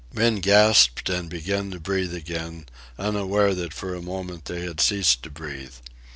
Men gasped and began to breathe again, unaware that for a moment they had ceased to breathe.